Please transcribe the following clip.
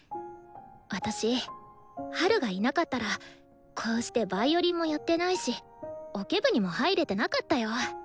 私ハルがいなかったらこうしてヴァイオリンもやってないしオケ部にも入れてなかったよ。